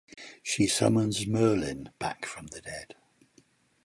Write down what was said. She summons Merlin back from the dead.